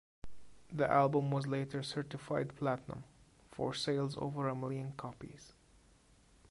The album was later certified platinum for sales over a million copies.